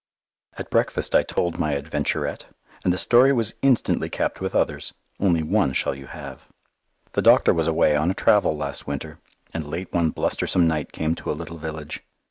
At breakfast I told my adventurette, and the story was instantly capped with others. Only one shall you have. The doctor was away on a travel last winter, and late one blustersome night came to a little village.